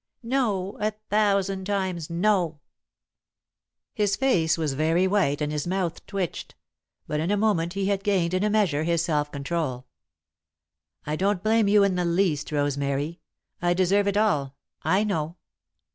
No, a thousand times no!" His face was very white and his mouth twitched, but in a moment he had gained, in a measure, his self control. "I don't blame you in the least, Rosemary. I deserve it all, I know.